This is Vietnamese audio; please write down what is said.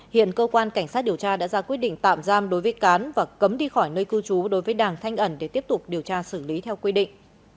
hiện cơ quan cảnh sát điều tra đã ra quyết định tạm giam đối với cán và cấm đi khỏi nơi cư trú đối với đàng thanh ẩn để tiếp tục điều tra xử lý theo quy định